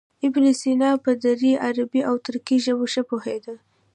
ابن سینا په دري، عربي او ترکي ژبو ښه پوهېده.